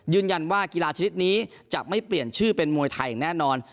ยืนยันว่ากีฬาชนิดนี้จะไม่เปลี่ยนชื่อเป็นมวยไทยอย่างแน่นอน